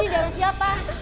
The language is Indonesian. ini darah siapa